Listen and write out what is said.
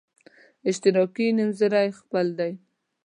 اشتراکي نومځري خپل دی.